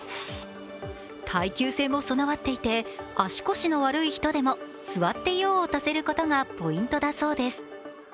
耐久性も備わっていて足腰の悪い人でも座って用を足せることがポイントだそうです。